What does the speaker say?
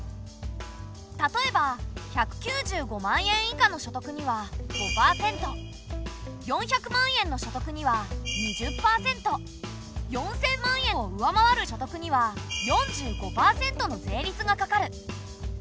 例えば１９５万円以下の所得には５％４００万円の所得には２０％４，０００万円を上回る所得には４５％の税率がかかる。